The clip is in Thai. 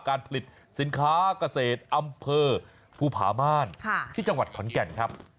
การผลิตสินค้าเกษตรอำเภอภูผาม่านที่จังหวัดขอนแก่นครับ